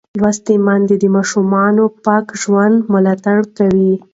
لوستې میندې د ماشومانو د پاک ژوند ملاتړ کوي.